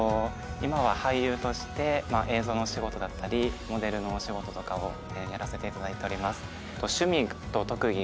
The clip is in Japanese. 今は俳優として映像のお仕事だったりモデルのお仕事とかをやらせて頂いております。